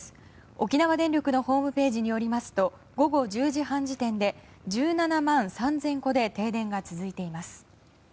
沖縄電力のホームページによりますと午後１０時半時点で１７万３０００戸で停電が続いています。